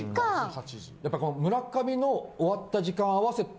やっぱこの村上の終わった時間を合わせて。